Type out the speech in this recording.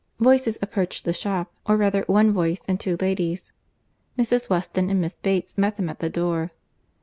Voices approached the shop—or rather one voice and two ladies: Mrs. Weston and Miss Bates met them at the door.